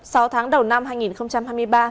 sau tháng đầu năm hai nghìn hai mươi ba